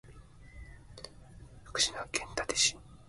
福島県伊達市